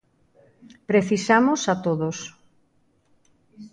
Precisamos a todos.